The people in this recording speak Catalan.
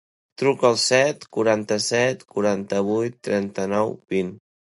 Truca al set, quaranta-set, quaranta-vuit, trenta-nou, vint.